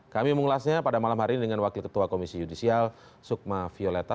kami mengulasnya pada malam hari ini dengan wakil ketua komisi yudisial sukma violeta